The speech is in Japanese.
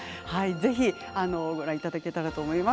ぜひご覧いただけたらと思います。